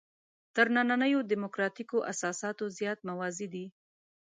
تر نننیو دیموکراتیکو اساساتو زیات موازي دي.